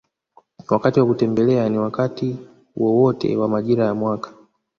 Wakati wa kutembelea ni wakati wowote wa majira ya mwaka